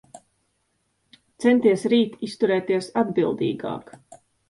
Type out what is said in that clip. Centies rīt izturēties atbildīgāk.